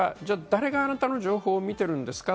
誰があなたの情報を見てるんですか？